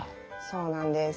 そうなんです。